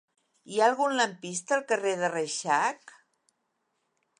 Hi ha algun lampista al carrer de Reixac?